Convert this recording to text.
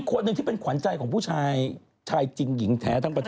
ก็โดนไล่ออกจากบ้านพี่เอค่ะ